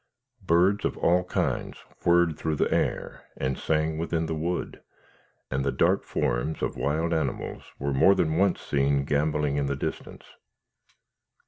Birds of all kinds whirred through the air and sang within the wood, and the dark forms of wild animals were more than once seen gamboling in the distance.